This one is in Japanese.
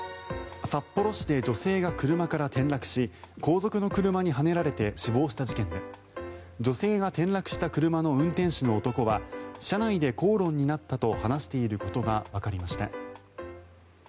札幌市で女性が車から転落し後続の車にはねられて死亡した事件で女性が転落した車の運転手の男は車内で口論になったと話していることがわかりました。